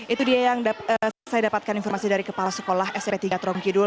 itu dia yang saya dapatkan informasi dari kepala sekolah smp tiga trom kidul